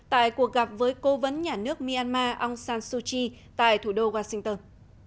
tại cuộc gặp với cố vấn nhà nước myanmar aung san suu kyi tại thủ đô washington